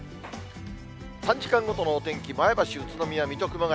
３時間ごとのお天気、前橋、宇都宮、水戸、熊谷。